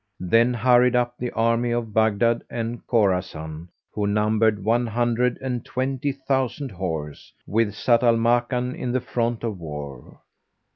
Then hurried up the army of Baghdad and Khorasan who numbered one hundred and twenty thousand horse, with Zau al Makan in the front of war.